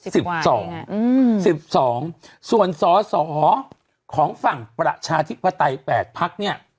สิบสองสิบสองส่วนสอของฝั่งประชาธิปไตรแปดพรรคเนี่ย